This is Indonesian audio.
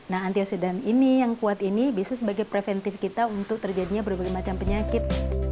nah antioksidan ini yang kuat ini bisa sebagai preventif kita untuk terjadinya berbagai macam penyakit